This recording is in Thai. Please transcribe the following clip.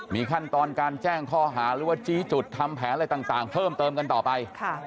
มีขั้นตอนการแจ้งข้อหาหรือว่าชี้จุดทำแผนอะไรต่างเพิ่มเติมกันต่อไป